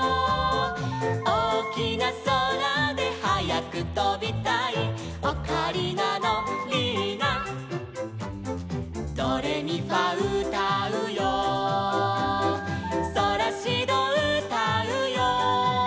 「おおきなそらではやくとびたい」「オカリナのリーナ」「ドレミファうたうよ」「ソラシドうたうよ」